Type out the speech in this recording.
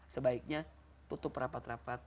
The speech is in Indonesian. sebaiknya tutup rapat rapat